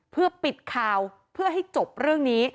เพื่อปิดข่าวเพื่อให้จบเรื่องนี้